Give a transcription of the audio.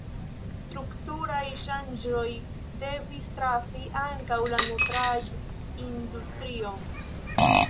Strukturaj ŝanĝoj devis trafi ankaŭ la nutraĵindustrion.